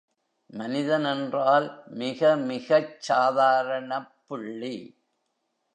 மனிதன் என்றால், மிக மிகச் சாதாரணப் புள்ளி.